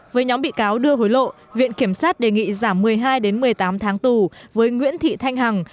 với nhóm bị cáo đưa hối lộ viện kiểm sát đề nghị giảm một mươi hai một mươi tám tháng tù với nguyễn thị thanh hằng